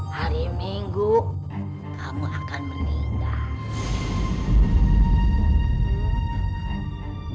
hari minggu kamu akan menindak